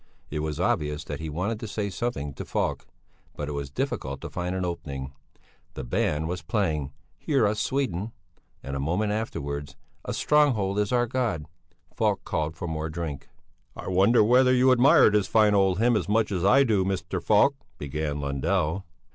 It was obvious that he wanted to say something to Falk, but it was difficult to find an opening. The band was playing "Hear us, Sweden!" and a moment afterwards "A Stronghold is our God." Falk called for more drink. "I wonder whether you admire this fine old hymn as much as I do, Mr. Falk?" began Lundell.